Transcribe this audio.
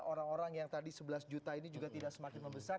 orang orang yang tadi sebelas juta ini juga tidak semakin membesar